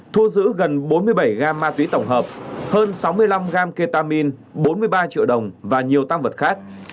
thua giữ gần bốn mươi bảy gam ma túy tổng hợp hơn sáu mươi năm gam ketamine bốn mươi ba triệu đồng và nhiều tam vật khác